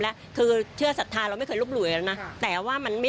แล้วคือเชื่อศรัทธาเราไม่เคยลบหลู่แล้วนะแต่ว่ามันไม่